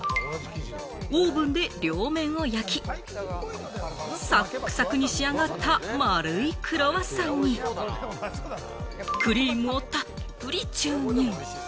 オーブンで両面を焼き、サックサクに仕上がった丸いクロワッサンに、クリームをたっぷり注入。